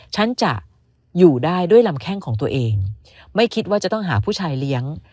ฉันจะอยู่ได้ด้วยลำแข้งของตัวเองไม่คิดว่าจะต้องหาผู้ชายเลี้ยง